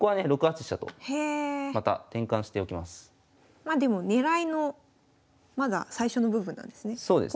まあでも狙いのまだ最初の部分なんですね。